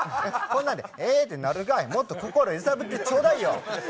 こんなんでへってなるかい、もっと心揺さぶってちょうだいよ。